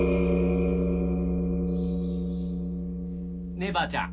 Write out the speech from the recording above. ねえばあちゃん。